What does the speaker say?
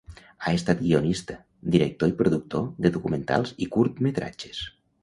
Ha estat guionista, director i productor de documentals i curtmetratges.